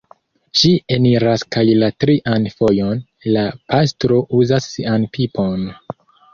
Ŝi eniras kaj la trian fojon la pastro uzas sian pipon...